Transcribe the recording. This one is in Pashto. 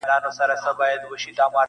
• ملنګه ! د کوم دشت هوا پرهر لره دوا ده -